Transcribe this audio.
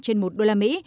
trên một đô la mỹ